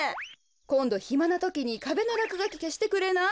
こんどひまなときにかべのらくがきけしてくれない？